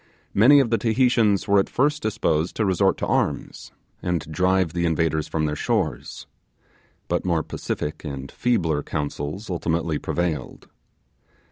Many of the Tahitians were at first disposed to resort to arms, and drive the invaders from their shores; but more pacific and feebler counsels ultimately prevailed.